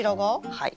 はい。